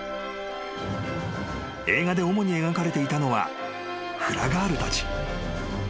［映画で主に描かれていたのはフラガールたち］